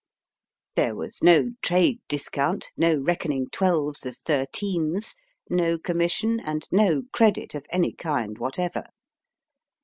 There was no trade discount, no reckoning twelves as thirteens, no commis sion, and no credit of any kind whatever.